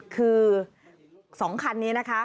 คือ๒คันนี้นะคะ